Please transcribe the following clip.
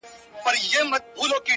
هغه اوس كډ ه وړي كا بل ته ځي,